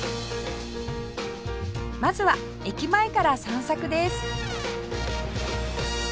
まずは駅前から散策です